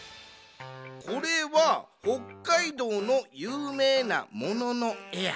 これは北海道のゆうめいなもののえや。